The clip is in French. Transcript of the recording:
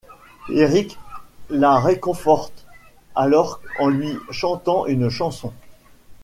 Eric la réconforte alors en lui chantant une chanson.